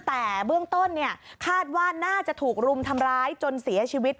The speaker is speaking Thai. แต่เบื้องต้นคาดว่าน่าจะถูกรุมทำร้ายจนเสียชีวิต